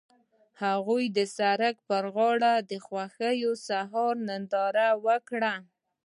هغوی د سړک پر غاړه د خوښ سهار ننداره وکړه.